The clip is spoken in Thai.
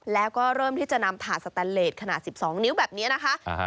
แล้วก็เริ่มที่จะนำถาสแตนเลสขนาดสิบสองนิ้วแบบเนี้ยนะคะอ่าฮะ